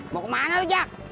mau kemana lo jak